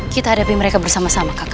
kita hadapi mereka bersama sama